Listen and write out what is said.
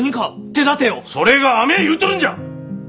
それが甘え言うとるんじゃ！